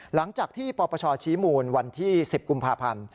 หลังจากที่ปปชชี้มูลวันที่๑๐กุมภาพันธ์